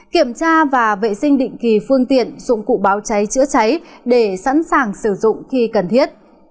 kiểm tra và vệ sinh định kỳ phương tiện dụng cụ báo cháy chữa cháy để sẵn sàng sử dụng khi cần thiết